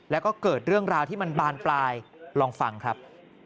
แล้วก็เกิดเรื่องราวที่มันบานปลายลองฟังครับ